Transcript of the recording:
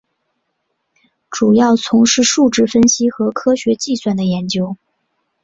主要从事数值分析和科学计算的研究。